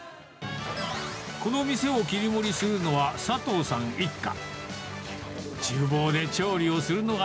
この店を切り盛りするのは佐藤さん一家。